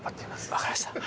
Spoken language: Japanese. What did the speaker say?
分かりました。